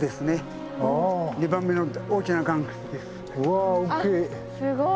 うわ大きい。